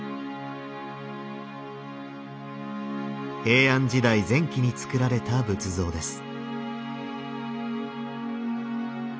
平安時代前期に造られた仏像です。